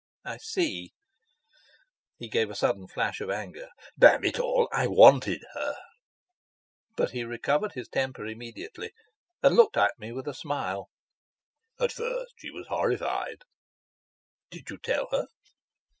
"I see." He gave a sudden flash of anger. "Damn it all, I wanted her." But he recovered his temper immediately, and looked at me with a smile. "At first she was horrified." "Did you tell her?"